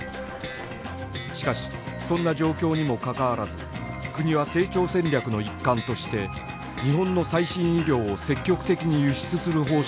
しかしそんな状況にもかかわらず国は成長戦略の一環として日本の最新医療を積極的に輸出する方針を打ち出し